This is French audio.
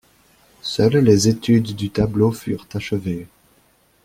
Seules les études du tableau furent achevées.